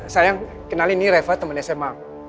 saya kenalin seeffa temen sma